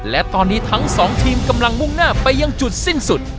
และตอนนี้ทั้งสองทีมกำลังมุ่งหน้าไปยังจุดสิ้นสุด